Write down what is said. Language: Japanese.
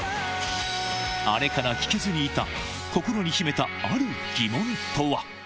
あれから聞けずにいた、心に秘めた、ある疑問とは。